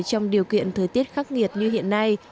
trong điều kiện thời tiết khắc nghiệt như hiện nay